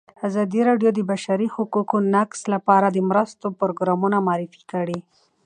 ازادي راډیو د د بشري حقونو نقض لپاره د مرستو پروګرامونه معرفي کړي.